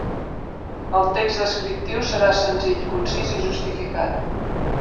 El text descriptiu serà senzill, concís i justificat.